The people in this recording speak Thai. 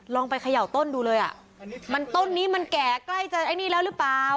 ลองไปเขย่าต้นดูเลยอ่ะมันต้นนี้มันแก่ใกล้จะไอ้นี่แล้วหรือเปล่า